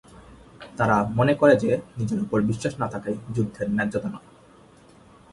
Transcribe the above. তারা মনে করে যে, নিজের ওপর বিশ্বাস না থাকাই যুদ্ধের ন্যায্যতা নয়।